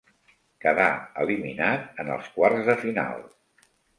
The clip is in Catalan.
Quedà eliminat en els quarts de final.